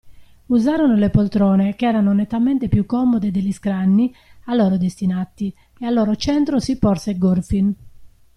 Usarono le poltrone, che erano nettamente più comode degli scranni a loro destinati, ed al loro centro si porse Gorfin.